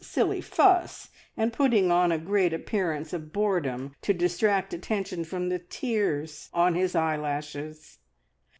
Silly fuss!" and putting on a great appearance of boredom to distract attention from the tears on his eyelashes.